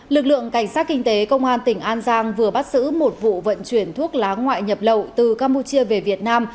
lực lượng cảnh sát kinh tế công an tỉnh an giang vừa bắt giữ một vụ vận chuyển thuốc lá ngoại nhập lậu từ campuchia về việt nam